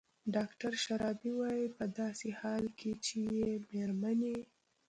ډاکتر شرابي وايي په داسې حال کې چې مېرمنې